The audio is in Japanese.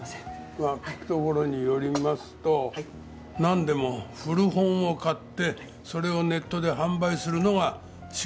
まあ聞くところによりますとなんでも古本を買ってそれをネットで販売するのが仕事だとか。